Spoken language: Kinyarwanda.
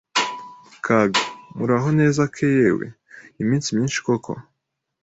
Kaga: Muraho neza Ke Yewe iminsi myinshi koko